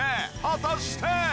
果たして？